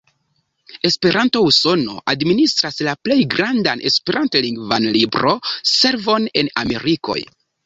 Esperanto-Usono administras la plej grandan Esperant-lingvan libro-servon en Amerikoj.